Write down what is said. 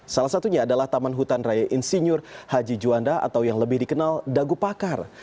salah satunya adalah taman hutan raya insinyur haji juanda atau yang lebih dikenal dagu pakar